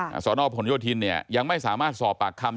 สอนอผลโยธินเนี่ยยังไม่สามารถสอบปากคำ